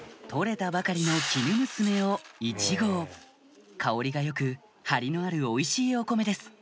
取れたばかりのきぬむすめを１合香りが良くハリのあるおいしいお米です